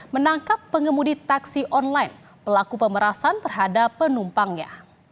menangkap pengemudi taksi online pelaku pemerasan terhadap penumpangnya